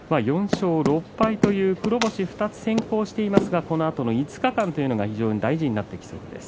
４勝６敗という黒星を２つ先行していますがこのあとの５日間が大事になってきそうです。